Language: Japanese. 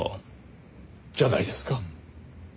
じゃないですか？